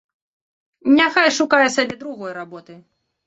Няхай шукае сабе другой работы.